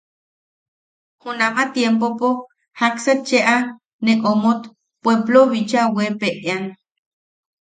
Junama tiempopo jaksa cheʼa ne omot, puepplou bicha weepeʼean.